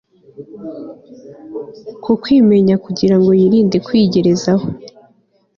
kukwimenya kugirango yirinde kwigerezaho